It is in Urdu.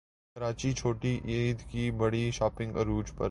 کراچی چھوٹی عید کی بڑی شاپنگ عروج پر